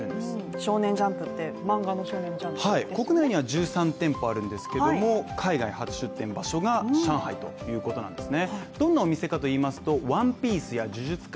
少年ジャンプって漫画の少年ジャンプですか国内には１３店舗あるんですけれども、海外初出店場所が上海ということなんですね。